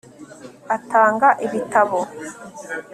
atanga ibitabo